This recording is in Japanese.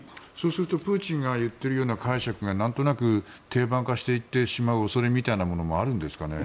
するとプーチンが言っているような解釈が何となく定番化していってしまう恐れはあるんですかね。